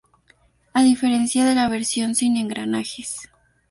A diferencia de la versión sin engranajes.